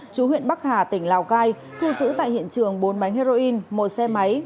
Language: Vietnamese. chú huyện bắc hà tỉnh lào cai thu giữ tại hiện trường bốn bánh heroin một xe máy